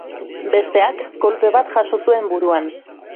Besteak kolpe bat jaso zuen buruan.